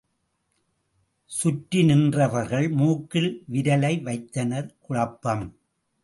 சுற்றி நின்றவர்கள் மூக்கில் விரலை வைத்தனர் குழப்பம்.